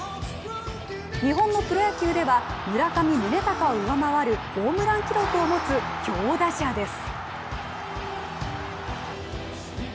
日本のプロ野球では村上宗隆を上回るホームラン記録を持つ強打者です。